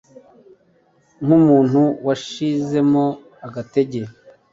nk'umuntu washizemo agatege